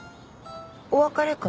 お別れ会？